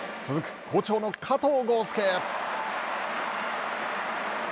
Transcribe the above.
続く好調の加藤豪将。